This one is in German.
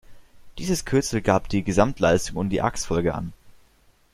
Dieses Kürzel gab die Gesamtleistung und die Achsfolge an.